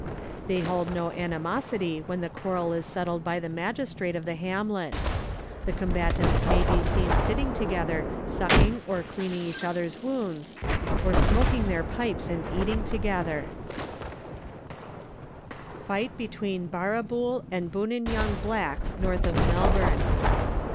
They hold no animosity when the quarrel is settled by the magistrate of the hamlet. The combatants may be seen sitting together sucking or cleaning each others' wounds, or smoking their pipes and eating together, Fight between Barrabool and Buninyong Blacks North of Mel bourne.